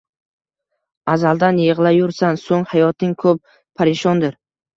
Azaldan yigʻlayursan, soʻng hayoting koʻb parishondir